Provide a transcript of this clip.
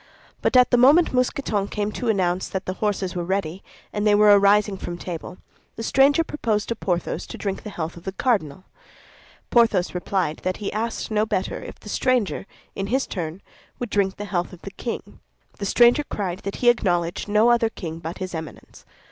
But at the moment Mousqueton came to announce that the horses were ready, and they were arising from table, the stranger proposed to Porthos to drink the health of the cardinal. Porthos replied that he asked no better if the stranger, in his turn, would drink the health of the king. The stranger cried that he acknowledged no other king but his Eminence.